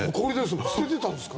捨ててたんですから。